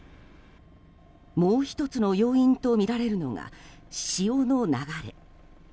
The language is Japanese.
もう１つの要因とみられるのが潮の流れ。